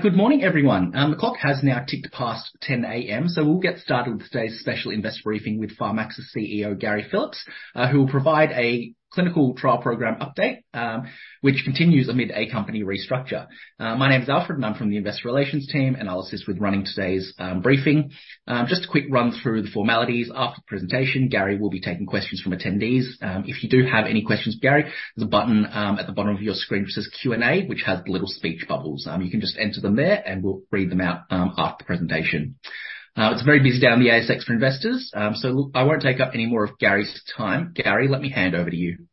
Good morning, everyone. The clock has now ticked past 10 A.M., so we'll get started with today's special investor briefing with Pharmaxis CEO, Gary Phillips, who will provide a clinical trial program update, which continues amid a company restructure. My name is Alfred, and I'm from the investor relations team, and I'll assist with running today's briefing. Just a quick run through the formalities. After the presentation, Gary will be taking questions from attendees. If you do have any questions, Gary, there's a button at the bottom of your screen which says Q&A, which has the little speech bubbles. You can just enter them there, and we'll read them out after the presentation. It's very busy down the ASX for investors. So look, I won't take up any more of Gary's time. Gary, let me hand over to you.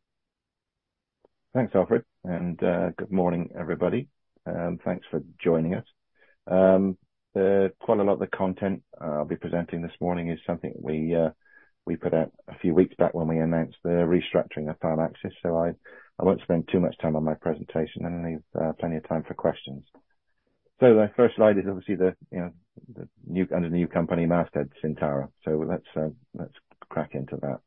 Thanks, Alfred, and good morning, everybody. Thanks for joining us. Quite a lot of the content I'll be presenting this morning is something we put out a few weeks back when we announced the restructuring of Pharmaxis. So I won't spend too much time on my presentation and leave plenty of time for questions. So the first slide is obviously the, you know, the new under the new company masthead, Syntara. So let's crack into that.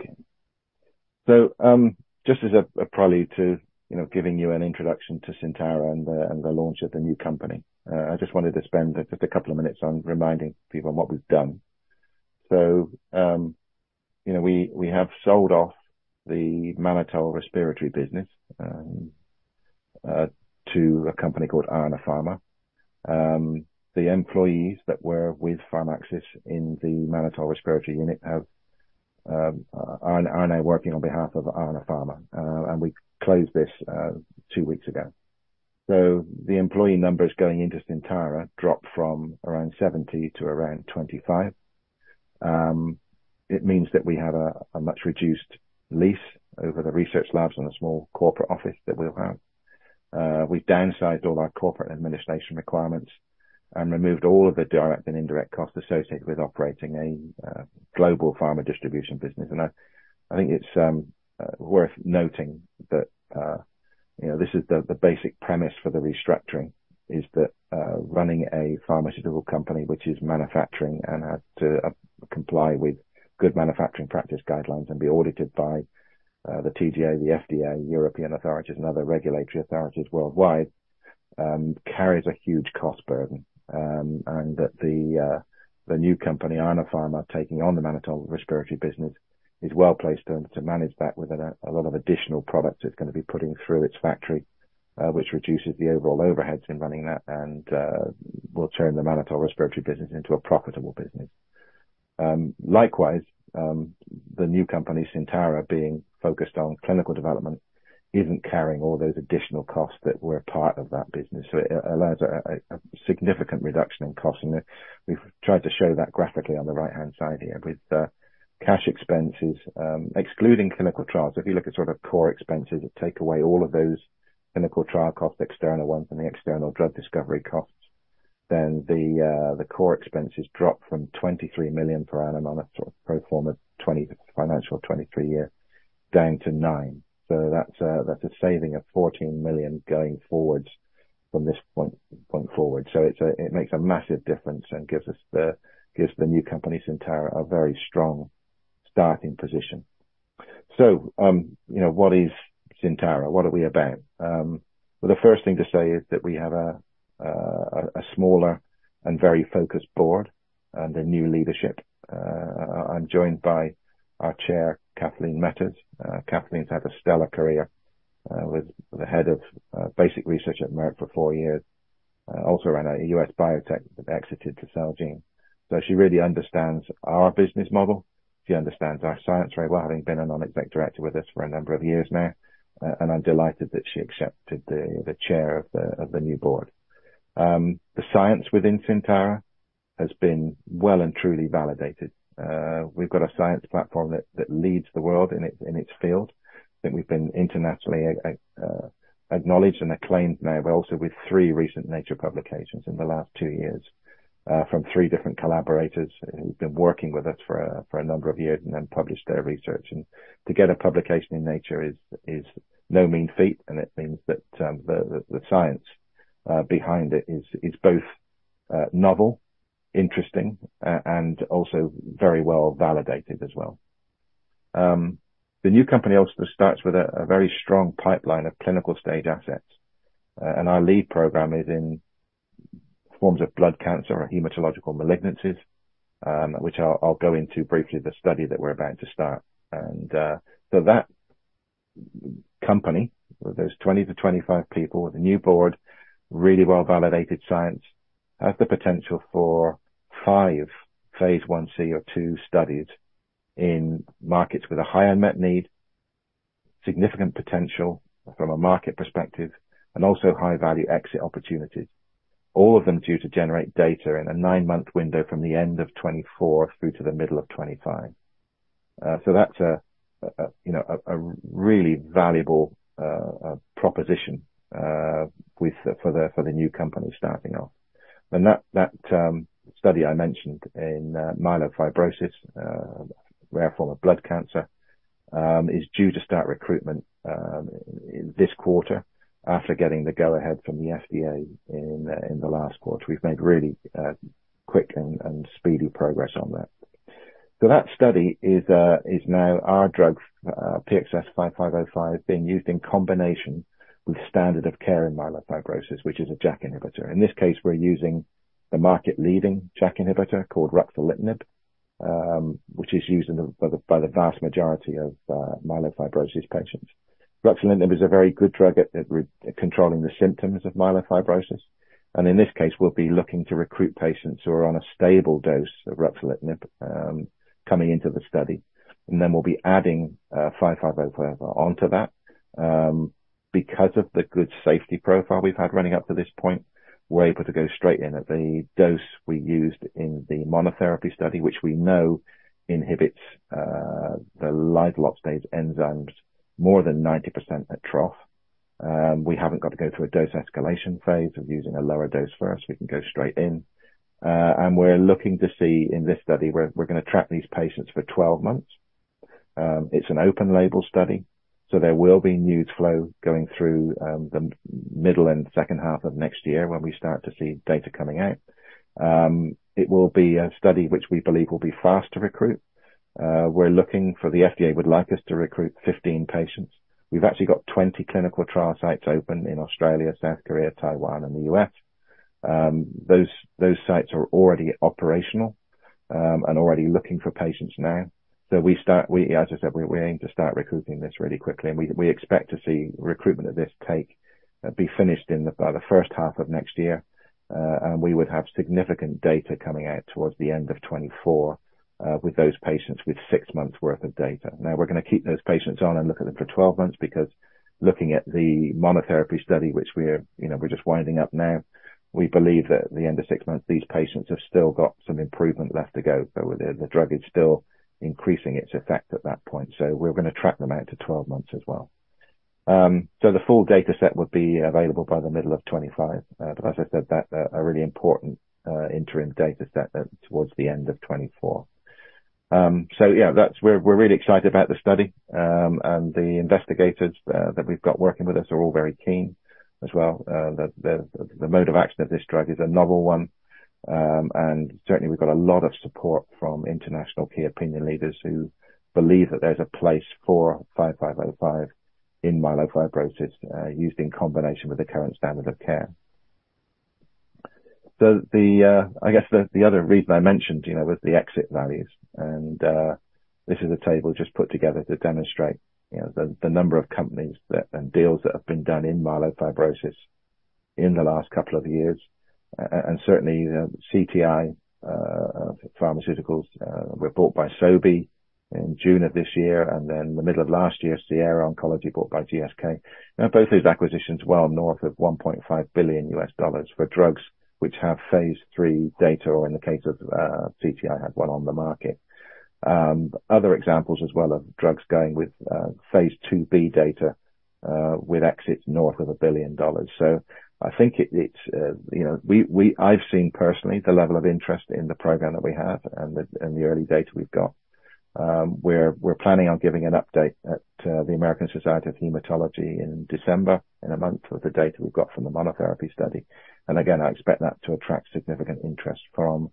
Okay. So just as a prelude to, you know, giving you an introduction to Syntara and the launch of the new company, I just wanted to spend just a couple of minutes on reminding people on what we've done. So, you know, we have sold off the mannitol respiratory business to a company called Arna Pharma. The employees that were with Pharmaxis in the mannitol respiratory unit are now working on behalf of Arna Pharma. And we closed this two weeks ago. So the employee numbers going into Syntara dropped from around 70 to around 25. It means that we have a much reduced lease over the research labs and a small corporate office that we'll have. We've downsized all our corporate administration requirements and removed all of the direct and indirect costs associated with operating a global pharma distribution business. I think it's worth noting that, you know, this is the basic premise for the restructuring, is that running a pharmaceutical company which is manufacturing and has to comply with good manufacturing practice guidelines and be audited by the TGA, the FDA, European authorities and other regulatory authorities worldwide, carries a huge cost burden. And that the new company, Arna Pharma, taking on the mannitol respiratory business, is well placed to manage that with a lot of additional products it's gonna be putting through its factory, which reduces the overall overheads in running that and will turn the mannitol respiratory business into a profitable business. Likewise, the new company, Syntara, being focused on clinical development, isn't carrying all those additional costs that were a part of that business. So it allows a significant reduction in cost, and we've tried to show that graphically on the right-hand side here. With the cash expenses, excluding clinical trials, if you look at sort of core expenses that take away all of those clinical trial costs, the external ones and the external drug discovery costs, then the core expenses drop from 23 million per annum on a pro forma 2023 financial year, down to 9 million. So that's a saving of 14 million going forward from this point, going forward. So it makes a massive difference and gives us the new company, Syntara, a very strong starting position. So, you know, what is Syntara? What are we about? Well, the first thing to say is that we have a smaller and very focused board and a new leadership. I'm joined by our Chair, Kathleen Metters. Kathleen's had a stellar career with the head of basic research at Merck for four years, also ran a US biotech that exited to Celgene. So she really understands our business model. She understands our science very well, having been a non-executive director with us for a number of years now, and I'm delighted that she accepted the Chair of the new board. The science within Syntara has been well and truly validated. We've got a science platform that leads the world in its field, and we've been internationally acknowledged and acclaimed now, but also with three recent Nature publications in the last two years from three different collaborators who've been working with us for a number of years and then published their research. And to get a publication in Nature is no mean feat, and it means that the science behind it is both novel, interesting, and also very well validated as well. The new company also starts with a very strong pipeline of clinical stage assets, and our lead program is in forms of blood cancer and hematological malignancies, which I'll go into briefly the study that we're about to start. And, so that company, those 20-25 people with a new board, really well-validated science, has the potential for five phase I-C or II studies in markets with a high unmet need, significant potential from a market perspective, and also high-value exit opportunities. All of them due to generate data in a nine-month window from the end of 2024 through to the middle of 2025. So that's, you know, a really valuable proposition with the-- for the, for the new company starting off. And that study I mentioned in myelofibrosis, a rare form of blood cancer, is due to start recruitment in this quarter after getting the go-ahead from the FDA in the last quarter. We've made really quick and speedy progress on that. So that study is now our drug, PXS-5505, being used in combination with standard of care in myelofibrosis, which is a JAK inhibitor. In this case, we're using the market-leading JAK inhibitor called ruxolitinib, which is used by the vast majority of myelofibrosis patients. Ruxolitinib is a very good drug at controlling the symptoms of myelofibrosis, and in this case, we'll be looking to recruit patients who are on a stable dose of ruxolitinib, coming into the study. And then we'll be adding PXS-5505 onto that. Because of the good safety profile we've had running up to this point, we're able to go straight in at the dose we used in the monotherapy study, which we know inhibits the lysyl oxidase enzymes more than 90% at trough. We haven't got to go through a dose escalation phase of using a lower dose first. We can go straight in. We're looking to see in this study. We're gonna track these patients for 12 months. It's an open label study, so there will be news flow going through the middle and second half of next year when we start to see data coming out. It will be a study which we believe will be fast to recruit. We're looking for... The FDA would like us to recruit 15 patients. We've actually got 20 clinical trial sites open in Australia, South Korea, Taiwan, and the U.S. Those sites are already operational and already looking for patients now. So we start, as I said, we aim to start recruiting this really quickly, and we expect to see recruitment of this be finished by the first half of next year. And we would have significant data coming out towards the end of 2024, with those patients with six months' worth of data. Now we're gonna keep those patients on and look at them for 12 months, because looking at the monotherapy study, which we're, you know, we're just winding up now, we believe that at the end of 6 months, these patients have still got some improvement left to go. So the drug is still increasing its effect at that point, so we're gonna track them out to 12 months as well. So the full data set would be available by the middle of 2025. But as I said, that's a really important interim data set towards the end of 2024. So yeah, we're really excited about the study. And the investigators that we've got working with us are all very keen as well. The mode of action of this drug is a novel one. And certainly we've got a lot of support from international key opinion leaders who believe that there's a place for 5505 in myelofibrosis used in combination with the current standard of care. So I guess the other reason I mentioned, you know, was the exit values, and this is a table just put together to demonstrate, you know, the number of companies and deals that have been done in myelofibrosis in the last couple of years. And certainly, CTI BioPharma was bought by Sobi in June of this year, and then in the middle of last year, Sierra Oncology was bought by GSK. Now, both these acquisitions well north of $1.5 billion, for drugs which have phase III data, or in the case of CTI, had one on the market. Other examples as well of drugs going with phase II-B data, with exits north of $1 billion. So I think it, you know, we've seen personally the level of interest in the program that we have and the early data we've got. We're planning on giving an update at the American Society of Hematology in December, in a month, with the data we've got from the monotherapy study. And again, I expect that to attract significant interest from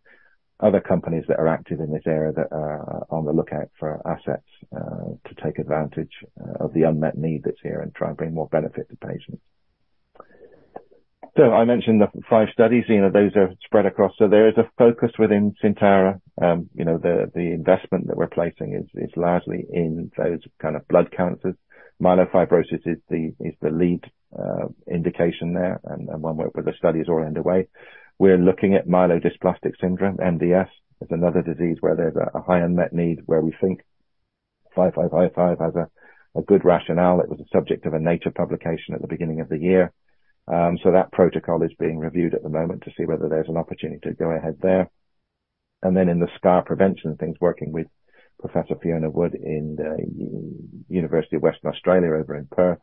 other companies that are active in this area, that are on the lookout for assets to take advantage of the unmet need that's here and try and bring more benefit to patients. So I mentioned the five studies. You know, those are spread across... So there is a focus within Syntara, you know, the investment that we're placing is largely in those kind of blood cancers. Myelofibrosis is the lead indication there, and one where the studies are all underway. We're looking at myelodysplastic syndrome, MDS, is another disease where there's a high unmet need, where we think 5505 has a good rationale. It was the subject of a Nature publication at the beginning of the year. So that protocol is being reviewed at the moment to see whether there's an opportunity to go ahead there. And then in the scar prevention things, working with Professor Fiona Wood in University of Western Australia over in Perth.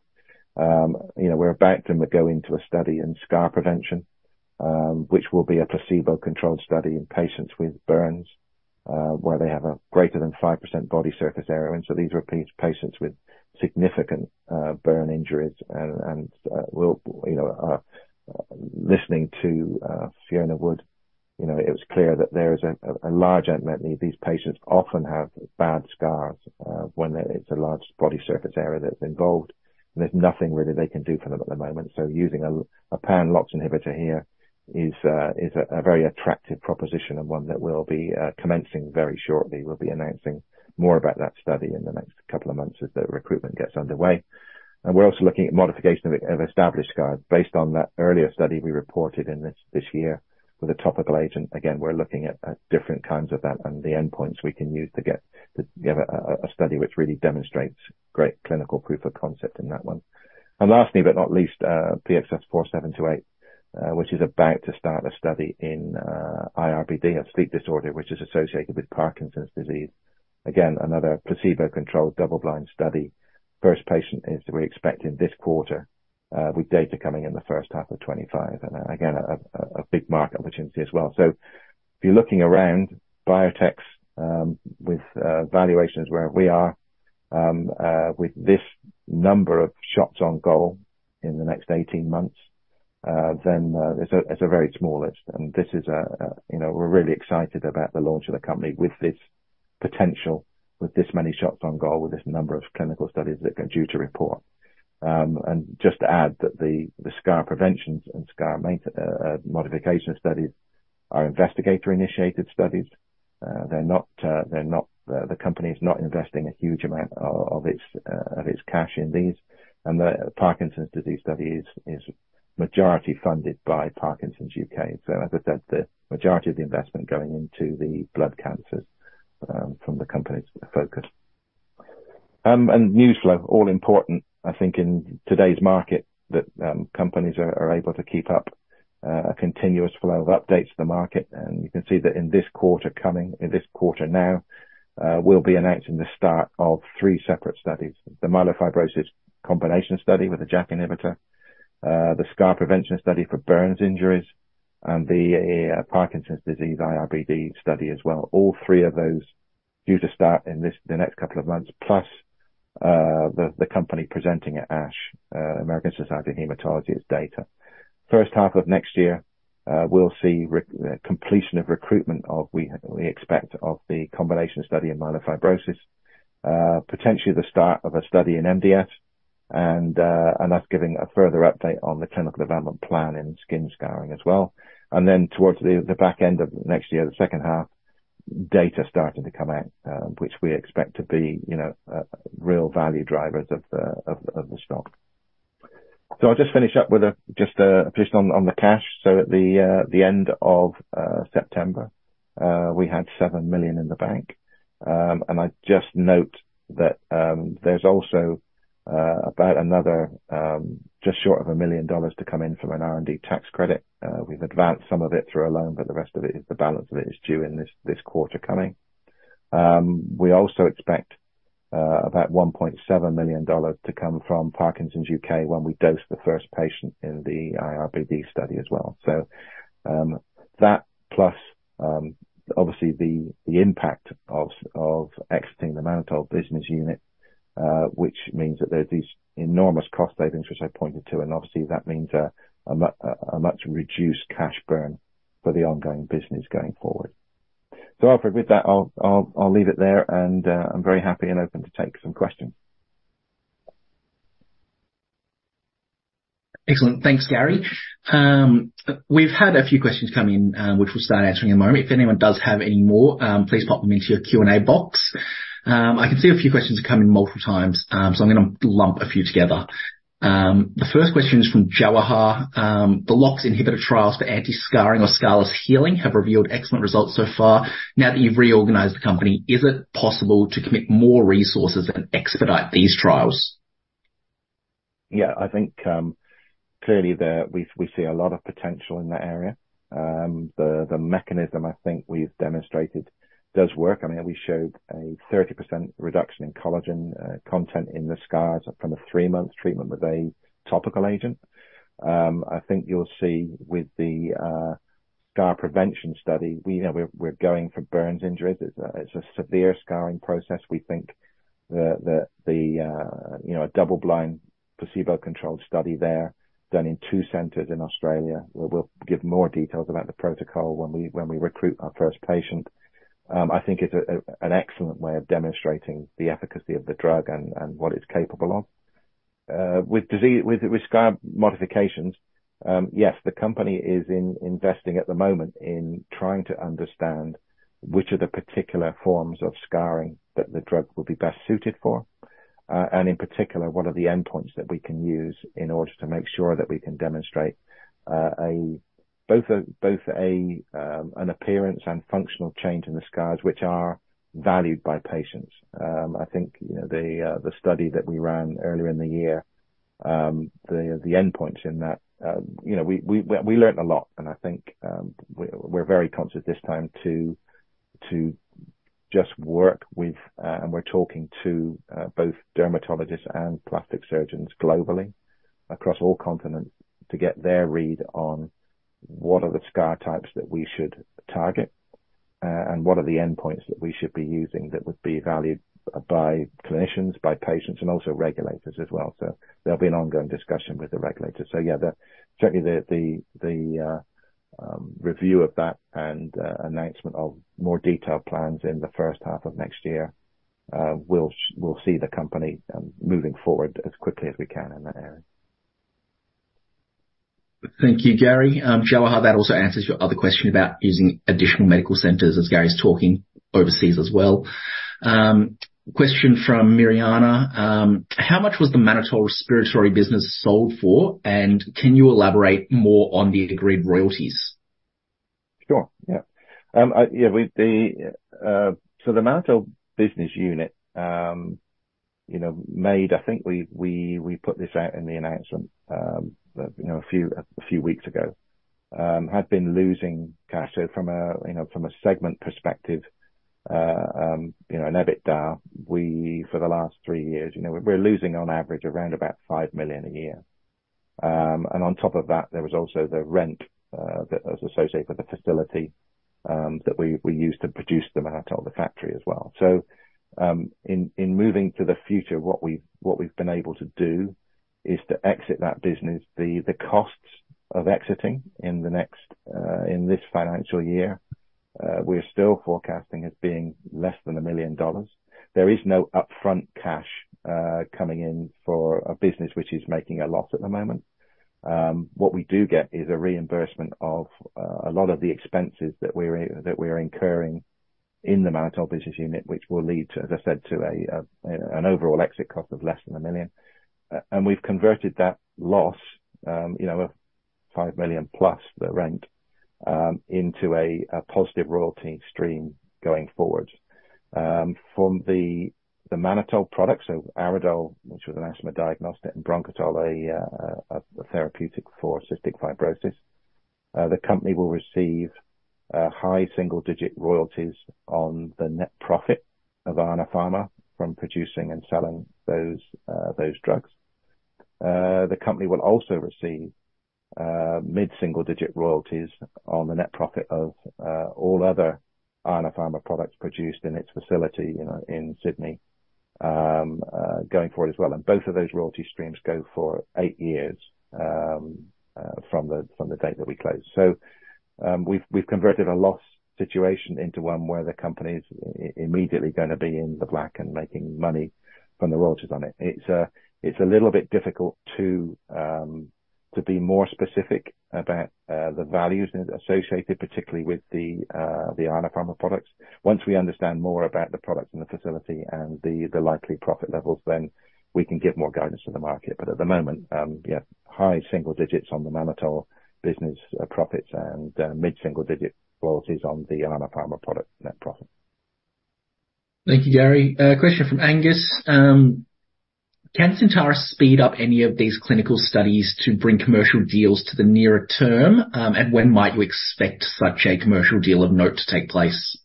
You know, we're about to go into a study in scar prevention, which will be a placebo-controlled study in patients with burns, where they have a greater than 5% body surface area. And so these are patients with significant burn injuries. And listening to Fiona Wood, you know, it was clear that there is a large unmet need. These patients often have bad scars, when there is a large body surface area that's involved, and there's nothing really they can do for them at the moment. So using a pan-LOX inhibitor here is a very attractive proposition and one that we'll be commencing very shortly. We'll be announcing more about that study in the next couple of months as the recruitment gets underway. And we're also looking at modification of established scars based on that earlier study we reported in this year with a topical agent. Again, we're looking at different kinds of that and the endpoints we can use to get to a study which really demonstrates great clinical proof of concept in that one. And lastly, but not least, PXS-4728, which is about to start a study in IRBD, a sleep disorder which is associated with Parkinson's disease. Again, another placebo-controlled double-blind study. First patient is, we expect in this quarter, with data coming in the first half of 2025. And again, a big market opportunity as well. So if you're looking around, biotechs, with valuations where we are, with this number of shots on goal in the next 18 months, then, it's a very small list, and this is a, you know, we're really excited about the launch of the company with this potential, with this many shots on goal, with this number of clinical studies that are due to report. And just to add that the scar prevention and scar modification studies are investigator-initiated studies. They're not. The company is not investing a huge amount of its cash in these, and the Parkinson's disease study is majority funded by Parkinson's UK. So as I said, the majority of the investment going into the blood cancers from the company's focus. And newsflow, all important, I think, in today's market, that companies are able to keep up a continuous flow of updates to the market. And you can see that in this quarter coming, in this quarter now, we'll be announcing the start of three separate studies: the myelofibrosis combination study with a JAK inhibitor, the scar prevention study for burns injuries, and the Parkinson's disease IRBD study as well. All three of those due to start in the next couple of months, plus, the company presenting at ASH, American Society of Hematology's data. First half of next year, we'll see completion of recruitment, we expect, of the combination study in myelofibrosis, potentially the start of a study in MDS, and us giving a further update on the clinical development plan in skin scarring as well. Then towards the back end of next year, the second half, data starting to come out, which we expect to be, you know, real value drivers of the stock. So I'll just finish up just on the cash. So at the end of September, we had 7 million in the bank. I'd just note that there's also about another just short of 1 million dollars to come in from an R&D tax credit. We've advanced some of it through a loan, but the rest of it, the balance of it, is due in this quarter. We also expect about 1.7 million dollars to come from Parkinson's UK when we dose the first patient in the IRBD study as well. So, that plus obviously the impact of exiting the mannitol business unit, which means that there's these enormous cost savings, which I pointed to, and obviously that means a much reduced cash burn for the ongoing business going forward. So Alfred, with that, I'll leave it there, and I'm very happy and open to take some questions. Excellent. Thanks, Gary. We've had a few questions come in, which we'll start answering in a moment. If anyone does have any more, please pop them into your Q&A box. I can see a few questions are coming in multiple times, so I'm gonna lump a few together. The first question is from Jawahar. The LOX inhibitor trials for anti-scarring or scarless healing have revealed excellent results so far. Now, that you've reorganized the company, is it possible to commit more resources and expedite these trials? Yeah, I think, clearly there, we, we see a lot of potential in that area. The, the mechanism I think we've demonstrated does work. I mean, we showed a 30% reduction in collagen, content in the scars from a three-month treatment with a topical agent. I think you'll see with the, scar prevention study, we, we're, we're going for burns injuries. It's a, it's a severe scarring process. We think that, that the, you know, a double-blind, placebo-controlled study there, done in two centers in Australia, where we'll give more details about the protocol when we, when we recruit our first patient. I think it's a, a, an excellent way of demonstrating the efficacy of the drug and, and what it's capable of. With scar modifications, yes, the company is investing at the moment in trying to understand which are the particular forms of scarring that the drug will be best suited for. And in particular, what are the endpoints that we can use in order to make sure that we can demonstrate both an appearance and functional change in the scars, which are valued by patients. I think, you know, the study that we ran earlier in the year, the endpoints in that, you know, we learned a lot, and I think, we're very conscious this time to just work with, and we're talking to both dermatologists and plastic surgeons globally across all continents, to get their read on what are the scar types that we should target, and what are the endpoints that we should be using that would be valued by clinicians, by patients, and also regulators as well. So there'll be an ongoing discussion with the regulators. So yeah, certainly the review of that and announcement of more detailed plans in the first half of next year, we'll see the company moving forward as quickly as we can in that area. Thank you, Gary. Jawahar, that also answers your other question about using additional medical centers as Gary's talking overseas as well. Question from Mariana. How much was the mannitol respiratory business sold for, and can you elaborate more on the agreed royalties? Sure. Yeah. Yeah, with the, so the mannitol business unit, you know, I think we put this out in the announcement, you know, a few weeks ago, had been losing cash from a, you know, from a segment perspective, you know, in EBITDA, we, for the last three years, you know, we're losing on average around about 5 million a year. And on top of that, there was also the rent that was associated with the facility... that we use to produce the mannitol, the factory as well. So, in moving to the future, what we've been able to do is to exit that business. The costs of exiting in the next, in this financial year, we're still forecasting as being less than 1 million dollars. There is no upfront cash coming in for a business which is making a loss at the moment. What we do get is a reimbursement of a lot of the expenses that we're incurring in the mannitol business unit, which will lead to, as I said, to an overall exit cost of less than 1 million. And we've converted that loss, you know, of 5 million plus, the rent, into a positive royalty stream going forward. From the mannitol products, so Aridol, which was an asthma diagnostic, and Bronchitol, a therapeutic for cystic fibrosis. The company will receive high single digit royalties on the net profit of Arna Pharma from producing and selling those drugs. The company will also receive mid-single-digit royalties on the net profit of all other Arna Pharma products produced in its facility, you know, in Sydney, going forward as well. Both of those royalty streams go for eight years from the date that we close. We've converted a loss situation into one where the company's immediately gonna be in the black and making money from the royalties on it. It's a little bit difficult to be more specific about the values associated, particularly with the Arna Pharma products. Once we understand more about the products and the facility and the likely profit levels, then we can give more guidance to the market. But at the moment, high single digits on the mannitol business profits and mid-single digit royalties on the Arna Pharma product net profit. Thank you, Gary. Question from Angus. Can Syntara speed up any of these clinical studies to bring commercial deals to the nearer term? And when might we expect such a commercial deal of note to take place?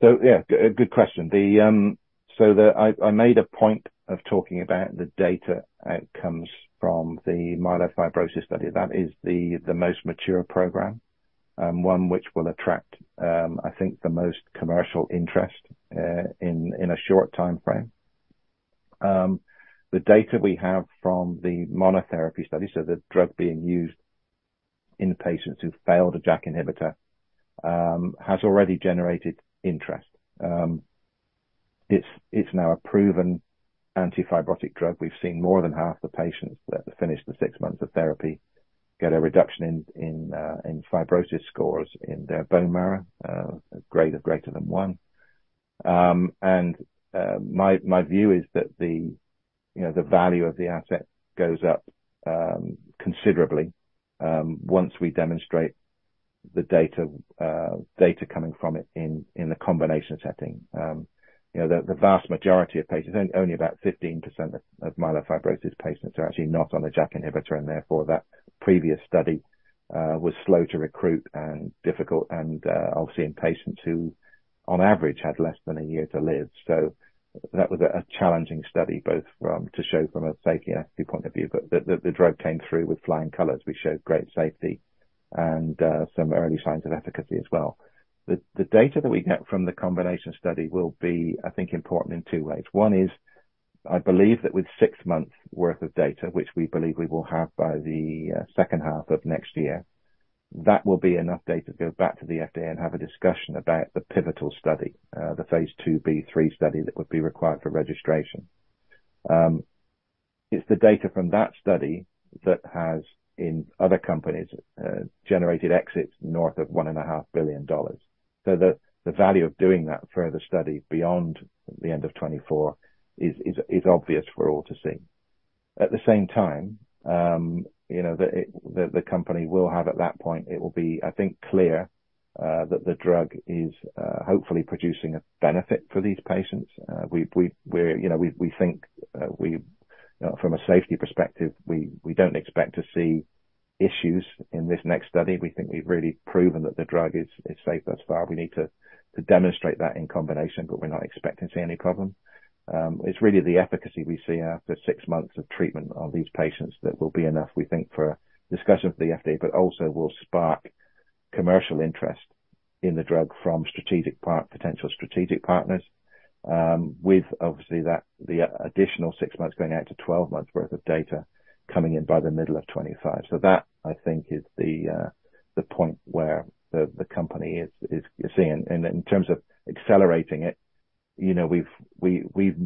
So, yeah, a good question. I made a point of talking about the data outcomes from the myelofibrosis study. That is the most mature program, and one which will attract, I think, the most commercial interest in a short timeframe. The data we have from the monotherapy study, so the drug being used in patients who failed a JAK inhibitor, has already generated interest. It's now a proven antifibrotic drug. We've seen more than half the patients that finished the six months of therapy get a reduction in fibrosis scores in their bone marrow, a grade of greater than one. And my view is that you know, the value of the asset goes up considerably once we demonstrate the data coming from it in the combination setting. You know, the vast majority of patients—only about 15% of myelofibrosis patients are actually not on a JAK inhibitor, and therefore, that previous study was slow to recruit and difficult, and obviously in patients who, on average, had less than a year to live. So that was a challenging study, both to show from a safety and efficacy point of view. But the drug came through with flying colors. We showed great safety and some early signs of efficacy as well. The data that we get from the combination study will be, I think, important in two ways. One is, I believe that with six months' worth of data, which we believe we will have by the second half of next year, that will be enough data to go back to the FDA and have a discussion about the pivotal study, the phase II-B, III study, that would be required for registration. It's the data from that study that has, in other companies, generated exits north of $1.5 billion. So the value of doing that further study beyond the end of 2024 is obvious for all to see. At the same time, you know, the company will have at that point. It will be, I think, clear that the drug is hopefully producing a benefit for these patients. We've-- we're, you know, we think from a safety perspective, we don't expect to see issues in this next study. We think we've really proven that the drug is safe thus far. We need to demonstrate that in combination, but we're not expecting to see any problem. It's really the efficacy we see after six months of treatment on these patients that will be enough, we think, for a discussion with the FDA, but also will spark commercial interest in the drug from potential strategic partners. With obviously that, the additional 6 months going out to 12 months worth of data coming in by the middle of 2025. So that, I think, is the point where the company is seeing. In terms of accelerating it, you know,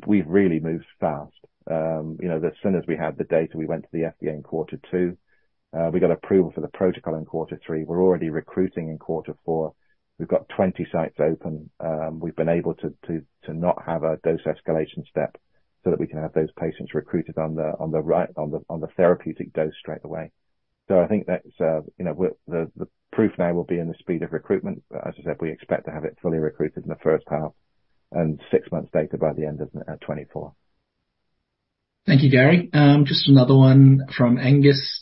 we've really moved fast. You know, as soon as we had the data, we went to the FDA in quarter two. We got approval for the protocol in quarter three. We're already recruiting in quarter four. We've got 20 sites open. We've been able to not have a dose escalation step so that we can have those patients recruited on the right on the therapeutic dose straight away. So I think that's, you know, the proof now will be in the speed of recruitment, but as I said, we expect to have it fully recruited in the first half and six months data by the end of 2024. Thank you, Gary. Just another one from Angus.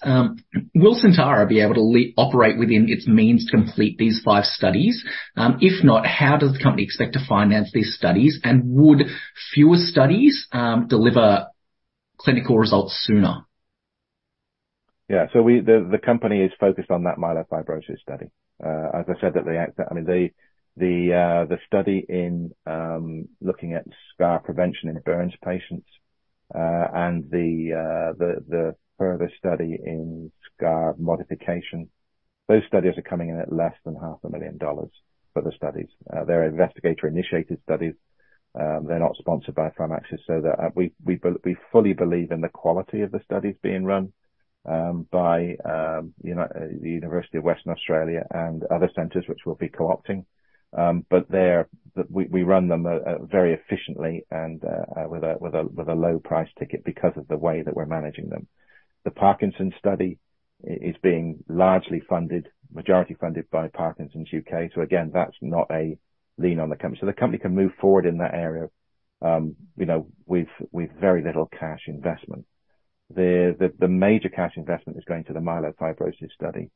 Will Syntara be able to operate within its means to complete these five studies? If not, how does the company expect to finance these studies? And would fewer studies deliver clinical results sooner? Yeah, so we, the company is focused on that myelofibrosis study. As I said, that, I mean, the study in looking at scar prevention in burns patients, and the further study in scar modification, those studies are coming in at less than 500,000 dollars for the studies. They're investigator-initiated studies. They're not sponsored by Pharmaxis, so that we fully believe in the quality of the studies being run by, you know, the University of Western Australia and other centers which we'll be co-opting. But we run them very efficiently and with a low price ticket because of the way that we're managing them. The Parkinson's study is being largely funded, majority funded by Parkinson's UK. So again, that's not a lien on the company. So the company can move forward in that area, you know, with very little cash investment. The major cash investment is going to the myelofibrosis study,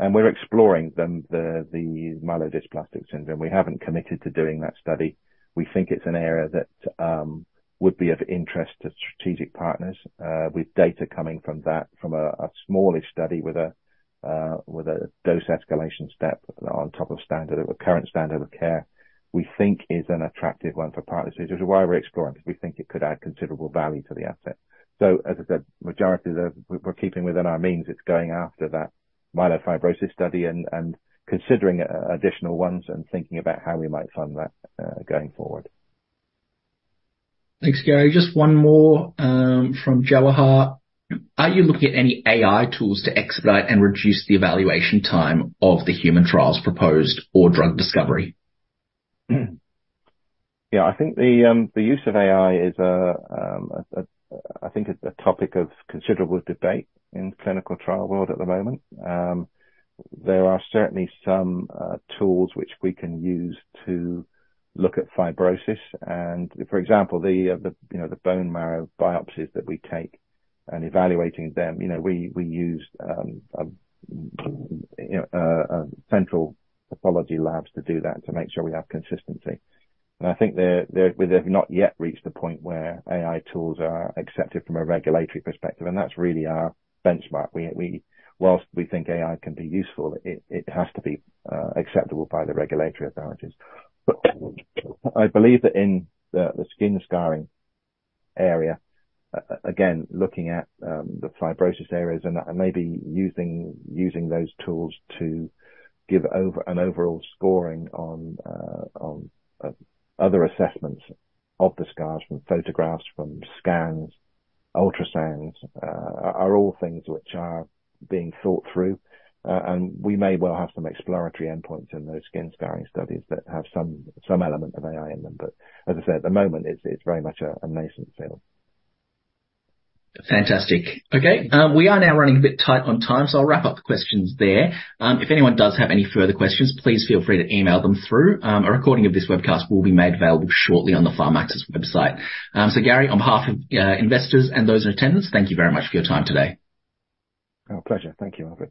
and we're exploring the myelodysplastic syndrome. We haven't committed to doing that study. We think it's an area that would be of interest to strategic partners, with data coming from that, from a smallish study with a dose escalation step on top of standard, current standard of care, we think is an attractive one for partners, which is why we're exploring, because we think it could add considerable value to the asset. So as I said, majority of the, we're keeping within our means. It's going after that myelofibrosis study and considering additional ones and thinking about how we might fund that going forward. Thanks, Gary. Just one more, from Jawahar. Are you looking at any AI tools to expedite and reduce the evaluation time of the human trials proposed or drug discovery? Yeah, I think the use of AI is a, I think a topic of considerable debate in clinical trial world at the moment. There are certainly some tools which we can use to look at fibrosis and, for example, you know, the bone marrow biopsies that we take and evaluating them. You know, we use you know, central pathology labs to do that, to make sure we have consistency. And I think they've not yet reached the point where AI tools are accepted from a regulatory perspective, and that's really our benchmark. We whilst we think AI can be useful, it has to be acceptable by the regulatory authorities. But I believe that in the skin scarring area, again, looking at the fibrosis areas and maybe using those tools to give an overall scoring on other assessments of the scars from photographs, from scans, ultrasounds, are all things which are being thought through. And we may well have some exploratory endpoints in those skin scarring studies that have some element of AI in them. But as I said, at the moment, it's very much a nascent field. Fantastic. Okay, we are now running a bit tight on time, so I'll wrap up the questions there. If anyone does have any further questions, please feel free to email them through. A recording of this webcast will be made available shortly on the Syntara website. So Gary, on behalf of investors and those in attendance, thank you very much for your time today. Oh, pleasure. Thank you.